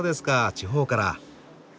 地方から。